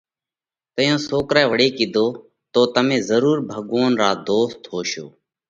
تئيون سوڪرئہ وۯي ڪِيڌو: تو تمي ضرور ڀڳوونَ را ڌوست هوشو؟